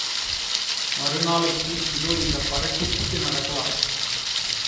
மறுநாளைக்கு இதோ இந்த பறட்டைச்சிக்கு நடக்கலாம்.